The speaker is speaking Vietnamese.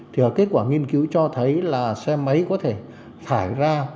thì kết quả nghiên cứu cho thấy là xe máy có thể thải ra